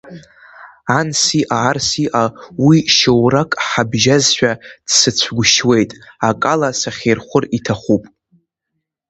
Анс иҟа, арс иҟа, уи шьоурак ҳабжьазшәа дсыцәгәышуеит, акала сахьирхәыр иҭахуп.